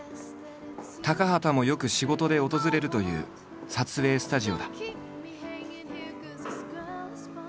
高畑もよく仕事で訪れるという撮影スタジオだ。